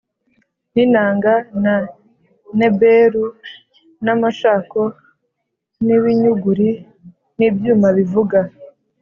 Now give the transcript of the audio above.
n’inanga na nebelu n’amashako, n’ibinyuguri n’ibyuma bivuga.